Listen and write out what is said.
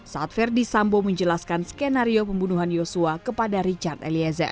saat verdi sambo menjelaskan skenario pembunuhan yosua kepada richard eliezer